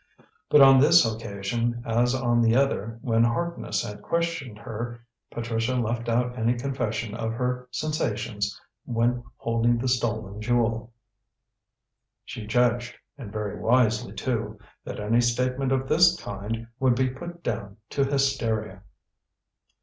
But on this occasion, as on the other, when Harkness had questioned her, Patricia left out any confession of her sensations when holding the stolen jewel. She judged, and very wisely too, that any statement of this kind would be put down to hysteria.